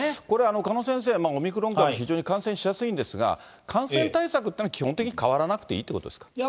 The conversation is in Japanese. これ、鹿野先生、オミクロン株、非常に感染しやすいんですが、感染対策っていうのは基本的に変わらなくていいってことですか？